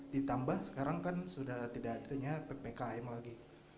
ditambah sekarang kan sudah tidak adanya ppkm lagi